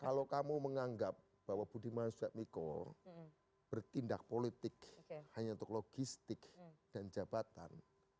kalau kamu menganggap bahwa budi masud zadmiko bertindak politik hanya untuk logistik dan jabatan